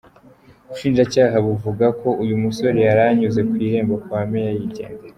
Ubushinjacyaha buvuga ko uyu musore yari anyuze kw'irembo kwa Major yigendera.